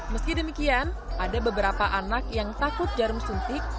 meski demikian ada beberapa anak yang takut jarum suntik